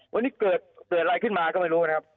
วันนี้เกิดอะไรขึ้นมาก็ไม่รู้นะครับ